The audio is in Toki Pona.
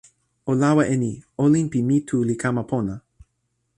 o lawa e ni: olin pi mi tu li kama pona.